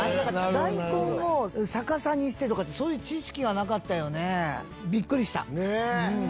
大根を逆さにしてとかってそういう知識はなかったよね。